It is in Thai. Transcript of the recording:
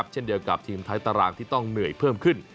เช่นเดียวกับทีมท้ายตารางที่ต้องเหนื่อยเพิ่มขึ้น